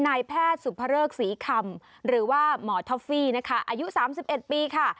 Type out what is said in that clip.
นายแพทย์สุภเริกศรีคำหรือว่าหมอท็อฟฟี่นะคะอายุ๓๑ปีค่ะ